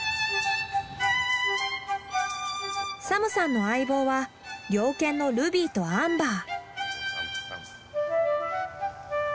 サムさんの相棒は猟犬のルビーとアンバー。